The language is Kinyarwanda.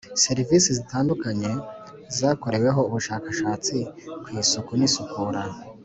Serivisi zitandukanye zakoreweho ubushakashatsi ku isuku n isukura